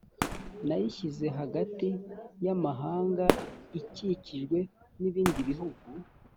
nayishyize hagati y amahanga ikikijwe n ibindi bihugu